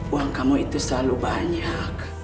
uang kamu itu selalu banyak